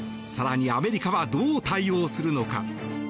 更にアメリカはどう対応するのか。